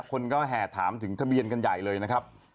คนก็แห่ถามถึงทะเบียนกันใหญ่เลยนะครับ